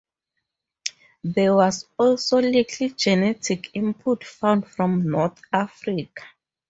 There was also little genetic input found from North Africa.